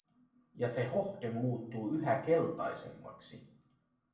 Ja se hohde muuttuu yhä keltaisemmaksi.